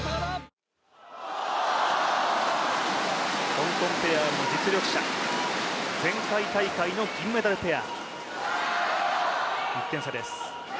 香港ペアも実力者、前回大会の銀メダルペア。